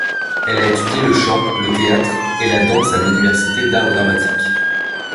Elle a étudié le chant, le théâtre, et la danse à l'université d'Art Dramatique.